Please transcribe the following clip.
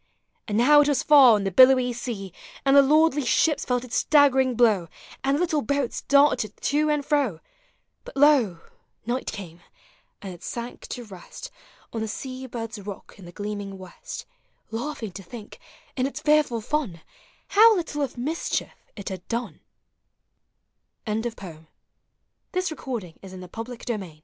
And now it was far on the billowy sea ; And the lordly ships felt its staggering blow, And the little boats darted to and fro :— But lo! night came, and it sank to rest On the sea bird's rock iu the gleaming west, Laughing to think, iu its fearful fun, How little of mischief it had done!